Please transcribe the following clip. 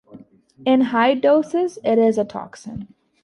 In high doses, it is a toxin.